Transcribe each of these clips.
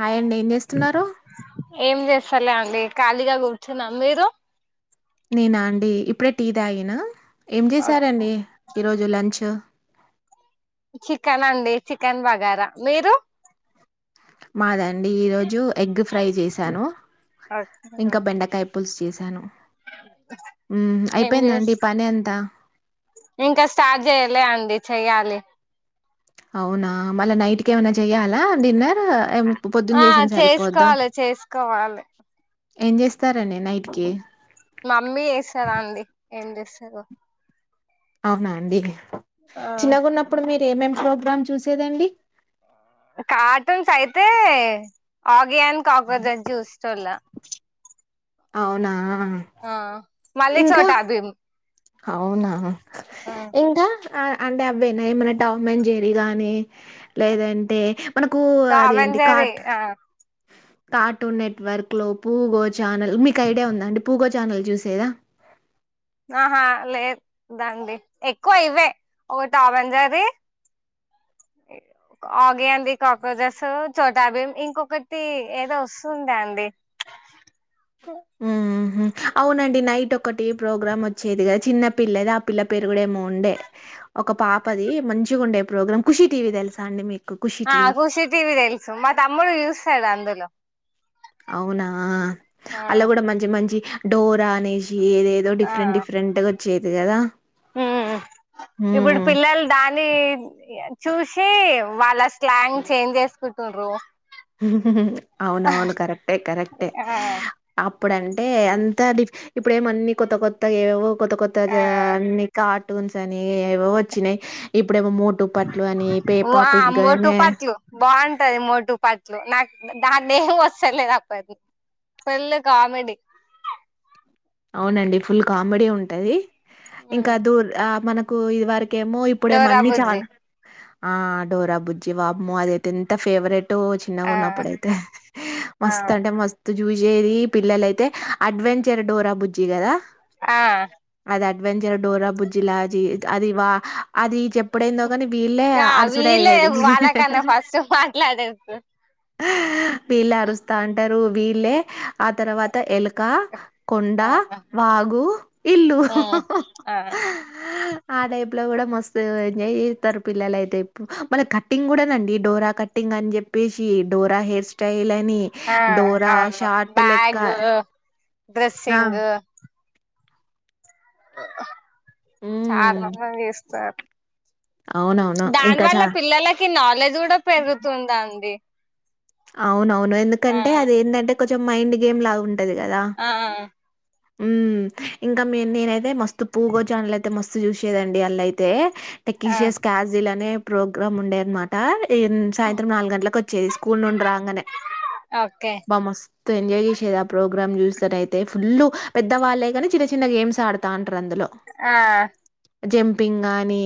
హాయండి ఏం చెస్తున్నారు ఏం చేస్తలే అండి ఖాళీగా కూర్చున్నాం మీరు నేనా అండి ఇప్పుడే టీ తాగినా ఏం చేశారండి ఈరోో జు లాంచ్ చికెన్ అండి చికెన్ బగారా మీరు మాదండి ఈరోోజు ఎగ్ ఫ్రై చేశాను ఇంకా బెండకాయ్ పులుస్ చేశాను మ్మ్ ఏం అయిపోయిందండి చేస్ పని అంతా ఇంకా స్టార్ట్ చేయలే అండి చెయ్యలి అవునా మళ్ళా నైట్ కేమన్న చెయ్యాలా డిన్నర్ ఎం ఆ చేసుకోవాలి చేసుకోవాలి ఏం చేస్తారండి నైట్ కి మమ్మీ చేస్తదండి ఏం చేస్తదో అవునా అండి ఆ చిన్న గున్నప్పుడు మీర్ ఏం ఏం ప్రోగ్రామ్ చూసేదండి. కార్టూన్స్ అయితే అ వియాన్ కాకజ చూసెటోల్లా అవునా ఆ మళ్ళీ ఇంకా చోట అదేం అవునా ఆ అంటే అవేనా ఏమన్నా టామ్ అండ్ జెర్రీ గానీ లేదంటే మనకు తావేం అదేంటి జెర్రీ కార్ట్ ఆ కార్టూన్ నెట్ వర్క్ లో పూ గో ఛానల్ మీకు ఐడియా ఉంద పూగో ఛానల్ చూసేదా ఆహా లేద్ అండి ఎక్కువ ఇవే ఒక టామెంజెర్రీ ఆగి అంది కాక్రోచెస్, చోటాభీం ఇంకొకటి ఏదో వస్తుండే అండి. హుహు. అవునండి నైట్ ఒక టీవీ ప్రోగ్రాం వచ్చేది కదా. చిన్న పిల్లది. ఆ పిల్ల పేరు కూడా ఏమో ఉండే, ఒక పాపది మంచిగా ఉండే, ప్రోగ్రాం ఖుషి టీవీ తెలుసా అండి మీకు. 'ఖుషి ఆ టీవీ'? ఖషి టీవీ తెలుసు మా తమ్ముడు చూస్తాడు అందు అవునా అలా కూడా మంచి మంచి డోరానేే ఏదేదో డిఫరెంట్ డిఫరెంట్గ చేతే గద హు ఉమ్ ఇప్పుడు పిల్లలు దాన్నీ చూసి వాళ్ళ స్లాంగ్ చేంజ్ చేసుకుంటుండ్రు హ అవునవును కరెక్టే కరెక్టే ఆ అప్ ఇప్పుడంటే అంతా డిఫ్ ఇప్పుడు ఏమన్ని కొత్త కొత్తగా ఏవో కొత్త కొత్త ఆ గా అన్ని కా టూన్స్ అని ఏవేవో వచ్చినాయి ఇప్ ఇప్పుడేమో మోటు పట్లు అని పే వా మోటు పాపిక్గానే పట్లు బాగుంటది మోటు పట్లు నాకు దాన్న ఏం వస్తలేదు అ పన్ పెళ్ళ కామెడీ అవునండి ఫుల్ కామెడీ ఉంటది. ఇంకా దూర్ ఆ మనం కు ఇది వరక్ ఇకేమో డోరా ఇప్పుడేమన్ని చాల బుజ్జి ఆ డోరా బుజ్జి వామ్మో అది అయితే ఎంత ఫేవరెట్ రో చిన్నగా ఆ ఉన్నప్పుడుయితే ఆ మస్త్ అంటే మస్తు చూసేది. పిల్లలయితే, అడ్వెంచర్ డోరాబ్ జ్జి గదా! ఆ అది అడ్ అడ్వెంచర్ డోరా బుజ్జిలాజి అది వా అది చెపుడేందో యా వీళ్ళే వాళ్ళకన్నా ఫస్ట్ మాట్లాడేది. వీళ్లే అరుస్తాంటారు. మ్ వీళ్లే ఆ తర్వాత ఎలక కొన్ డ, వాగు, ఇల్లు. ఆ ఆ టైప్ లో కూడా మస్తు ఎంజాయ్ చేత్తారు పిల్లలయితే ఇప్పు. మళ్ళ కట్టింగ్ కూడానండి డోరా కట్టింగ్ అని చెప్పేసి డోరా హెయిర్ స్టైల్ అన్ ఆ అవును. లెక్క బ్యాగు, డ్రస్ ఆ సింగు. మ్మ్ చాల మంది చేస్తారు. అవునవును దాని ఇంకా వల్ల చా పిల్లలకి నాలెడ్జ్ కూడా పెరుగుతుందండి. అవునవున్. ఆ ఎందుకంటే, అదేందంటే! కొంచెం మైండ్ గేమ్ లా ఉన్ టది కదా! ఆ మ్మ్ ఇంకా మీ నేనైతే, మస్తు పూగో చానల్ అయితే, మస్తు చూసేదండి. అల్లయితే ఆ టెక్లిషియస్ కాజిల్ అనే ప్రోగ్రామ్ ఉండె అన్మాట. ఎ ఇం సాయంత్రం నాలుగు గంటలకు వచ్చేది స్కూల్ నుండి రాంగనే! ఓకే బ మస్ తో ఎంజాయ్ చేసేది ఆ ప్రోగ్రామ్ చూస్తనయితే ఫుల్ పెద్దవాళ్ళే కాని చిన్న చిన్న గేమ్స్ ఆడుతాన్ ఆ జంపింగ్ గాని,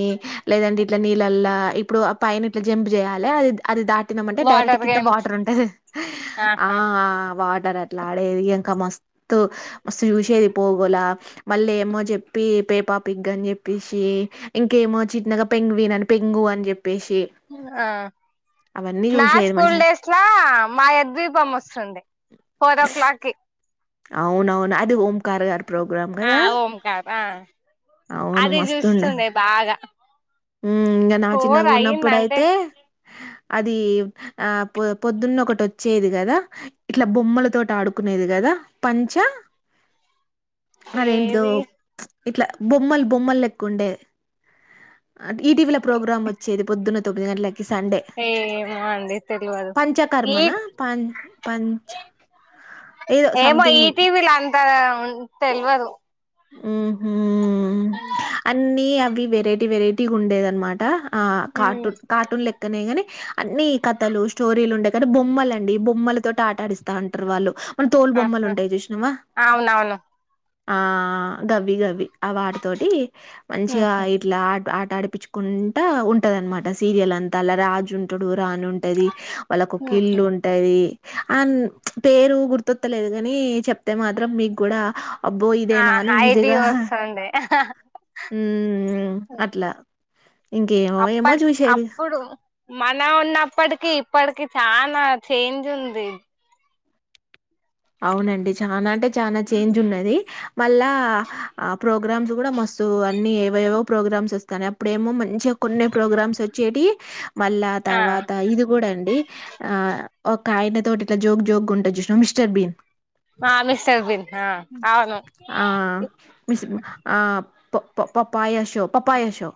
లేదంటె ఇట్లా నీళ్ళల్ల ఇప్పుడు, ఆ పైన ఇట్లా జంప్ చేయాలి. అది అది దా ఎత్తినామంటె డైరెక్ట్ వాటర్ కింత గేమ్స్ వాటర్ ఉంటంది. ఆహా లాడేది ఎంక మస్తు మస్తు చూసేది పోగోలా. మల్లి ఏమో చెప్పి పేపాపిగ్ అని చెప్పేసి, ఇంకేమో, చిన్నగా పెంగ్విన్ అని పెంగు అని చెప్ ఆ అవన్నీ నా జూశేది స్కూల్ మంచిగా. డేస్ లా, మాయ ద్వీపం వస్తుండె. ఫోర్ ఓ క్లాక్కి. అవునవును అది ఓంకార్ గారు ప్రోగ్రామ్ ఆ కదా! ఓంకార్ ఆ అవును అది మస్తుండే. చూస్తుండే బాగా మ్మ్ ఇంక నా ఫోర్ అయ్యిందంటే చిన్నగున్నప్పుడయితే, అది ఆ పొ పొద్దున్న ఒకటి వచ్చేది కదా! ఇట్లా బొమ్మలతోటి ఆడుకునేది కదా! పంచ అదేంటిదో ఏది ఇట్లా బొమ్మలు బొమ్మలు లెక ఉండే ఈటీవీల ప్రోగ్రామ్ వచ్చేది పొద్దున్న తొమిది గంటలకి సండే ఏమో అండి తెల్వదు ఈ పంచకర్మన ప ప పంచ అబ్బో సంథింగ్ ఈటీవీల అంతా తెల్వదు ఉమ్మ్ మ్మ్ అని ఆ అవి వెరైటీ వెరైటీ ఉండేది అనమాట ఆ కార్టూన్ కార్టూన్ లెక్కనే కానీ అన్నిీ కథలు స్టోరీలు ఉండేయి కానీ బొమ్మల అండి బొమ్మల తోటి ఆట ఆడిస్తా ఉంటారు వాళ్ళు మన తోలు బొమ్మలు ఆహా ఉంటాయి చూసినావా అవునవును ఆ ఆ గవి గవి ఆ వాటితోటి మంచిగా ఇట్లా అటు అటు నడిపించుకుంటా ఉంటది అనమాట సీరియల్ అంతా అలా రాజు ఉంటాడు రాని ఉంటది వాళ్ళ ఒక ఇల్లు ఉంటది అ పేరు గుర్తొత్తలేదు కాని చెప్తే మాత్రం మీకు కూడా అబ్బ ఆ హైడి వస్తుండే ఉ ఏమో అప్పటి చూసేది అప్పుడు మన ఉన్నప్పటికి ఇప్పటికి చానా చేంజ్ ఉంది అవునండి చాలా అంటే చాలా చేంజ్ ఉన్నది మళ్ళా ఆ ప్రోగ్రామ్స్ కూడా మస్తు అన్ని ఏవో ఏవో ప్రోగ్రామ్స్ వస్తాయ అప్పుడేమో మ వచ్చే కొన్ని ప్రోగ్రామ్స్ వచ్చేటి మళ్ళా ఆ తర్వాత ఇది కూడా అండి ఆ ఓకే అయినా తోటి ఇట్లా జోకు జోకు ఉంటది చూసినావా మ్ర చోట బీమ్ మామిసర్ బిన్న అవును ఆ! పపప పపాయ షో ప పపాయ షో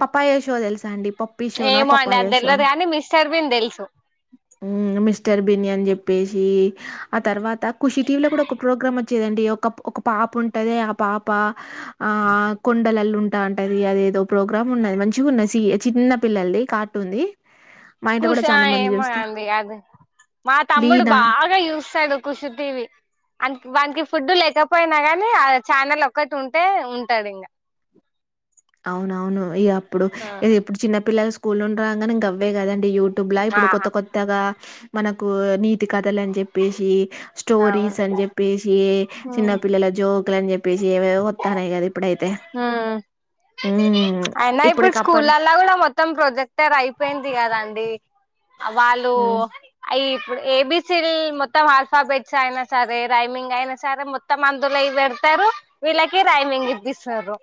పపాయ షో తెలుసా చాండిప్ ఏమో అండి అది తెలియదు కానీ మిస్టర్ బిన్ తెలుసు మిస్టర్ బినియాని చెప్పేసి ఆ తర్వాత ఖషి టీవీ లో కూడా ఒక ప్రోగ్రామ్ వచ్చ వచ్చేదండి ఒక ఒక పాప ఉంటది ఆ పాప ఆ కొండలలు ఉన్ తా అంటది అదేదో ప్రోగ్రామ్ ఉన్నది మంచిగా ఉన్నది సి చిన్న పిల్లలది కార్టున్ ది కుష్ ఆ ఏమో యాంది యాదు మా తమ్ముడు 'లీనా' బాగా యూజుస్తాడు ఖుషి టీవి అన్ వానికి ఫుడ్ లేకపోయినా గానీ ఆ ఛానల్ ఒక్కటి ఉంటే ఉంటాడు ఇంగా అవునవును ఈయప్ ఇప్పుడు ఇది ఇప్పుడు చిన్న పిల్లలు సు కూల్ ఉండి రా అంగనే గవే కదండి యూట్ టుబ్లా ఆ ఇప్పుడు కొత్త కొత్తగా మనకో నీ తి కథలు అని చెప్పేసి స్టోరీస్ అవును అని చెప్పేసి చిన్న ఉమ్ పిల్లల జో క్లన్ అని చెప్పేసి ఏవేవో వత్తానయి కదా ఇపు ఇప్పుడేతే అయినా ఇప్పుడు స్కూల్లా కూడా మొత్తం ప్రొజెక్టర్ అయిపోయింది ది కదా అండి అ వాళ్ళు హ్మ్ అయి ఇప్పుడు ఏబిసీల్ మొత్తం ఆల్ఫాబెట్స్ అయినా సరే రైమింగ్ అయినా సరే మొత్తం అందులో ఇవి పెడతారు వీళ్ళకి రైమింగ్ ఇప్పిస్తారు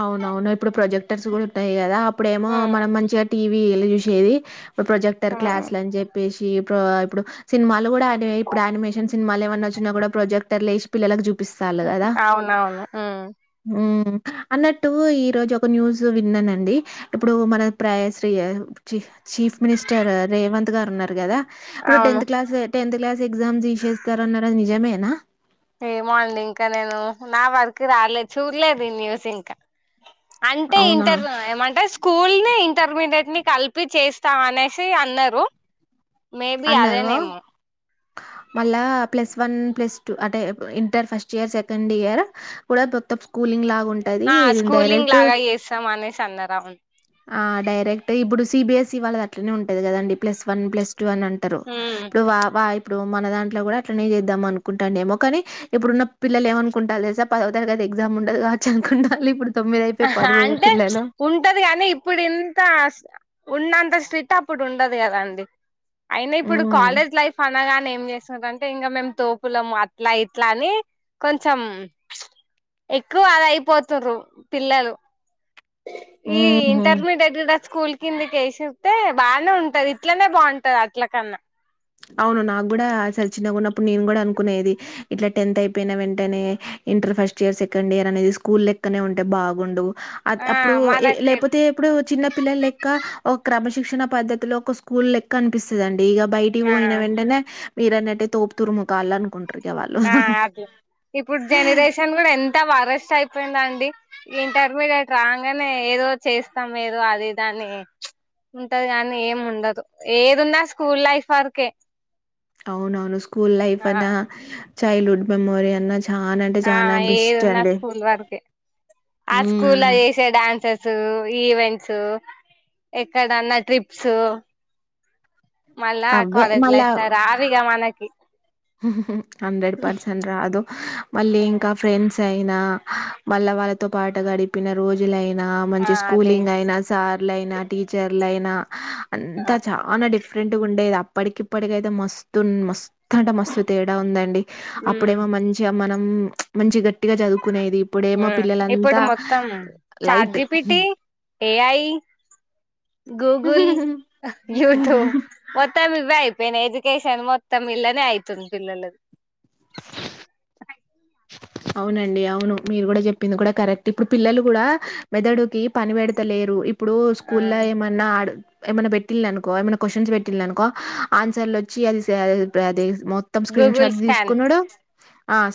అవునవును ఇప్పుడు ప్రొజెక్టర్స్ కూడా ఉంటాయి కదా అప్ ఇప్పుడేమో మనం మంచిగా టీవ్ వి ఎల్ చూషేది ఓ ప్రొజెక్టర్ ఉమ్ క్లాస్లు అని చెప్పేసి ప్రో ఇప్పుడు సినిమాలు కూడా యానిమే ఇప్పుడు యానిమేషన్ సినిమాలు ఏమన్నా వచ్చినా కూడా ప్రొజెక్టర్ లేసి పిల్లలకు జూపు అవునవును ఉ అన్నట్టూ ఈ రోజు ఒక న్యూస్ విన్నానండి ఇప్పుడు మన ప్రాయ శ్రీ ఛీ చీఫ్ మినిస్టర్ రేవంత్ గారు ఉన్నారు కదా ఇప్పుడు అవును టెన్త్ క్లాస్ ఏ టెన్త్ క్లాస్ ఎగ్జామ్ తిసేస్తారు అన్నరు అది నిజమేనా ఏమో అండి ఇంకా నేను నా వరకు రాలేదు చూడలేదు ఈ న్యూస్ ఇంకా అంటే అవునా ఇంటర్ ఏమంటే స్కూల్ ని ఇంటర్మీడియట్ ని కలిపి చేస్తాం అనేసి అన్నారు మేబి అన్నారు అదేనేమో మళ్ళా ప్లస్ వన్ ప్లస్ టూ అంటే inter first year second year కూడా మొత్తం స్కూలింగ్ లా ఆ స్కూలింగ్ లాగా చేస్తాం అనేసి అన్నారు అవున్ ఆ డైరెక్ట్ ఇప్పుడు సిబిఎస్ఈ వాళ్ళది అట్లనే ఉంటది కదండి ప్లస్ వన్ ప్లస్ టు అని అంటారు ఉమ్ ఇప్పుడు వా వా ఇప్పుడు మన దాంట్లో కూడా అట్నే చేద్దాం అనుకుంటాం ఏమో కానీ ఇప్పుడున్న పిల్లలు ఏమనుకుంటలు తెలుసా పదో తరగతి ఎగ్జామ్ ఉండదు కావచ్చు అనుకుంటాలు ఇప్పుడు తొమ్మిది అయిపోయి పది పోయే అంటే పిల్లలు ఉంటది గానీ ఇప్పుడు ఇంత ఉన్నంత స్ట్రిట్ అప్పుడు ఉండదు కదాండి అయినా ఇప్పుడు ఉమ్ కాలేజ్ లైఫ్ అ అనగానే ఏం చేస్తున్నరూ అంటే ఇంకా మేము తోపులము అట్లా ఇట్లా అని కొంచెం ప్చ్ ఎక్కువ అది అయిపోతుర్రు పిల్లలు ఈ ఉహు ఇంటర్మీడియట్ కద స్కూల్ కింది కేసిరు అంటె బానే ఉంటది ఇట్లనే బావుంటది అట్ల కన్నా అవును నాకు కూడాసలు చిన్నగున్నప్పుడు నేను కూడా అనుకునేది ఇట్లా టెన్త్ అయిపోయిన వెంటనే inter first year second year అనేది స్కూల్ లెక్కనే ఉంటే బాగుండు అ ఆ అప్పుడు మనకి లేపోతే ఇప్పుడు చిన్న పిల్లల లెక్క ఒక క్రమ శిక్షణ పద్దతిలో ఒక స్కూల్ లెక్క అనిపిస్తాది అండి ఇక ఆ పోయిన వెంటనే మీరన్నట్టే తోపు తురుము కాల అనుకుంటారు ఆ అద ఇప్పుడు జనరేషన్ కూడా ఎంత వరస్ట్ అయిపోయిందండి ఇంటర్మీడియట్ రాగానే ఏదో చేస్తాం ఏదో అది దాని ఉంటది కానీ ఏం ఉండదు ఏదున్నా స్కూల్ లైఫ్ వరకే అవునవును స్కూల్ లైఫ్ ఆ అనా చైల్డ్హుడ్ మెమోరీ అన్న ఆ ఏది ఉన్న స్కూల్ వరకే ఆ స్కూల్ లో హ్మ్. చేసే డాన్సెస్ ఈవెంట్స్ ఎక్కడన్నా ట్రిప్స్ మళ్ళా అవ్వే కాలేజ్ లైఫ్స్ అవి రావు ఇగ మనకి హండ్రెడ్ పర్సెంట్ రాదు మళ్ళీ ఇంకా ఫ్రెండ్స్ అయినా మల్ల వాళ్ళతో పాటు గడిపిన రోజులయినా ఆ మంచి అదే స్కూలింగ్ అయినా సార్ యినా టీచర్లయినా అంత ఆ చాలా డిఫ్ డిఫరెంట్గా ఉండేది అప్పటికిప్పటికయితే మస్తు మ మస్త్ అంటే మస్తు తేడా ఉందండి ఉమ్ అప్పుడేమో మంచిగా మనం మంచి గ ఇప్పుడు మొత్తం light. ChatGPT AI Google YouTube మొత్తం ఇవే అయి యిన ఎడ్యుకేషన్ మొత్తం ఇల్లనే అయితుంది పిల్లలది అవునండి అవును మీరు కూడా చెప్పింది కూడా కరెక్ట్ ఇప్పుడు పిల్లలు కూడా మెదడుకి పని పెడతలేరు ఇప్పుడు ఆ స్కూల్ల్లో ఏమన్నా ఆ ఏమైనా పెట్టి అనుకో ఏమైనా క్వశ్చన్స్ పెట్టిల్ అనుకో ఆన్సర్లు వచ్చి అది అ మొత్తం స్క్రీన్ గూగుల్ షాట్ స్కాన్ తీసుకున్నాడు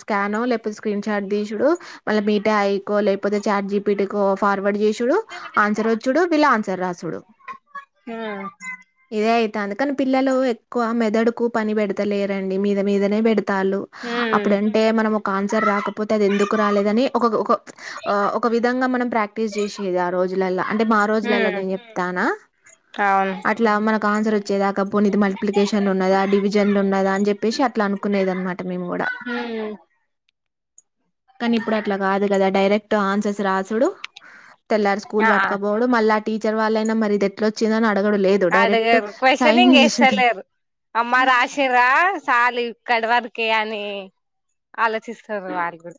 స్కాన్ లేకపోతే స్క్రీన్ షాట్ తీసుడు మళ్ళ మీట అఐకో లేకపోతే చార్ట్ జీపీటుకో ఫార్వర్డ్ చేసి డు ఆన్సర్ వచ్చుడు బిలా ఆన్సర్ రాసుడు ఉమ్ ఇదేయి అందుకని పిల్లలు ఎక్కువ మెదడుకు పని పెడతలేరండి మీద మీదనే పెడత ఉమ్ అప్పుడు ఎ అ ఉమ్ అవును కాంద్ర వచ్చేదాకపోని ఇది మల్టిప్లికేషన్లు ఉన్నదా డివిజన్లు ఉన్నదా అని చెప్పేసి అట్లా అనుకునేది అనమాట మేము కూడా ఉమ్ కానీ ఇప్పుడు అట్లా కాదు కదా డైరెక్ట్ ఎ ఆన్ చస రా ఆ చూడు తెల్లారి స్కూల్ ఆ పటుకపోవడం మళ్ళ టీచర్ వాళ్ళైనా మ దగర వచ్చందని అడిగారు క్వశ్చనింగ్ చేసుడు వేస్తలేరు అమ్మ రాసిరా చాలు ఇక్కడ వరకే అని ఆలోచిస్తారు వాళ్ళు కూడా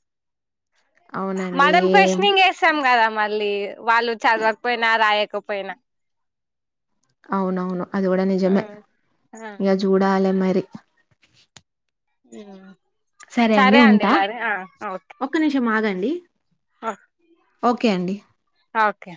అవునండి మడంం ఏం క్వషనింగ్ వసాం కదా మళ్ళీ వాళ్ళు చదవకపోయినా రాయకపోయినా అవునవును అది కూడా కూడా ఆ నిజమే ఇక చూడాలమ స ఆ సరే అండి ఉంటా ఓకే ఒక్క నిమిషం ఆగండి ఓకే ఓకే అండి ఓకే